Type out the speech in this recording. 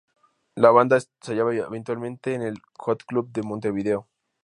La banda ensayaba habitualmente en el Hot Club de Montevideo.